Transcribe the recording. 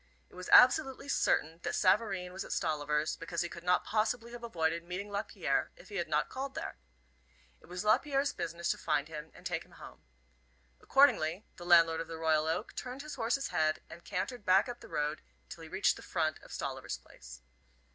It was absolutely certain that Savareen was at Stolliver's because he could not possibly have avoided meeting Lapierre if he had not called there. It was Lapierre's business to find him and take him home. Accordingly the landlord of the Royal Oak turned his horse's head and cantered back up the road till he reached the front of Stolliver's place.